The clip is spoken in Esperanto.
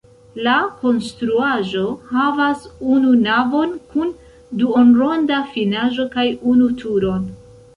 La konstruaĵo havas unu navon kun duonronda finaĵo kaj unu turon.